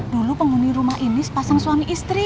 dulu penghuni rumah ini sepasang suami istri